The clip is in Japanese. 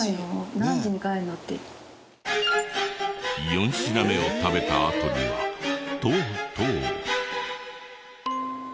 ４品目を食べたあとにはとうとう。